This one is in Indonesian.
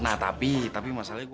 nah tapi tapi masalahnya